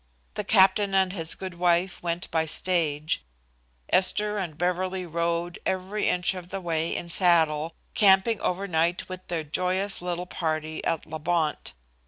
The captain and his good wife went by stage; Esther and Beverly rode every inch of the way in saddle, camping over night with their joyous little party at La Bontè.